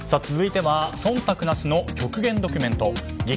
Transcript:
続いては忖度なしの極限ドキュメント。